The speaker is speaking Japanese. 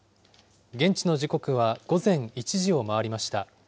現地の時刻は午前１時を回りました。